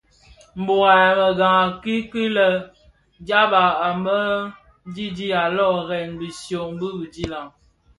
Mburag a meghan a kiki lè dyaba a mëdidi a lōōrèn bishyō bi bidilag.